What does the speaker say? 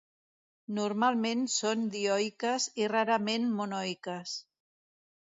Normalment són dioiques i rarament monoiques.